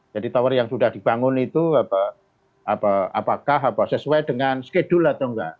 jadi tower yang sudah dibangun itu apakah sesuai dengan schedule atau enggak